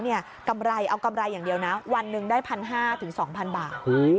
กำไรเอากำไรอย่างเดียวนะวันหนึ่งได้๑๕๐๐๒๐๐บาท